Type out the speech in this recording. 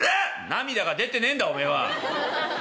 「涙が出てねえんだお前は」。